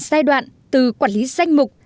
giai đoạn từ quản lý danh mục